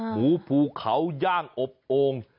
หมูภูเขาย่างอบโอ่ง